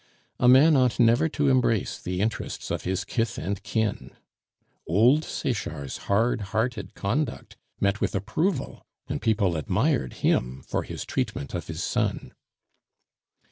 A man ought never to embrace the interests of his kith and kin. Old Sechard's hard hearted conduct met with approval, and people admired him for his treatment of his son!